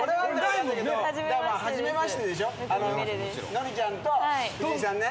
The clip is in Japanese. ノリちゃんと藤井さんね。